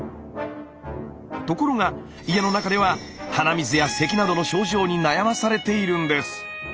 ところが家の中では鼻水やせきなどの症状に悩まされているんです。